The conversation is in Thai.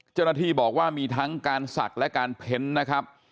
เจ้าหน้าที่บอกว่ามีทั้งการศักดิ์และการเพ้นนะครับ